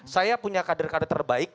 saya punya kader kader terbaik